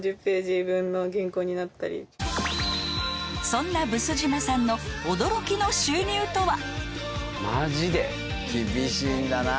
［そんな毒島さんの驚きの収入とは？］